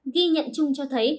ghi nhận chung cho thấy